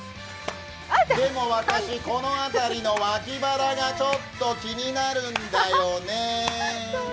でも私、この辺りの脇腹がちょっと気になるんだよね。